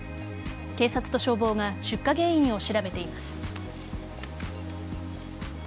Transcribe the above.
警察と消防が出火原因を調べています。